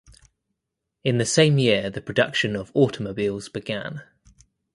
In the same year the production of automobiles began.